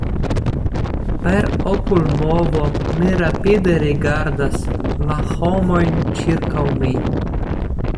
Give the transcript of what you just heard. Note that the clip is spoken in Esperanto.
Per okulmovo, mi rapide rigardas la homojn ĉirkaŭ mi.